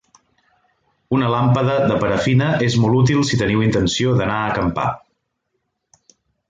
Una làmpada de parafina és molt útil si teniu intenció d'anar a acampar.